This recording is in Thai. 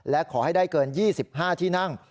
และขอให้ได้เกิน๒๕ที่นั่ง